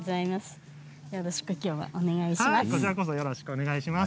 よろしくお願いします。